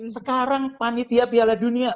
sekarang panitia piala dunia